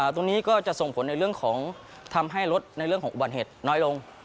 ตรงนี้ก็จะส่งผลในเรื่องของทำให้รถในเรื่องของอุบัติเหตุน้อยลง